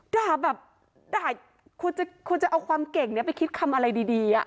ด่าแบบด่าควรจะเอาความเก่งนี้ไปคิดคำอะไรดี